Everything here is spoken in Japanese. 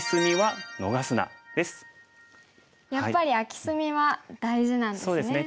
やっぱり空き隅は大事なんですね。